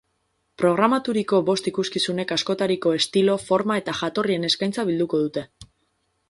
Programaturiko bost ikuskizunek askotariko estilo, forma eta jatorrien eskaintza bilduko dute.